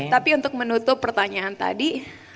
tapi untuk menutup pertanyaan tadi